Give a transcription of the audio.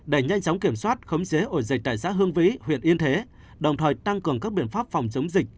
để nhanh chóng kiểm soát khống chế ổ dịch tại xã hương vĩ huyện yên thế đồng thời tăng cường các biện pháp phòng chống dịch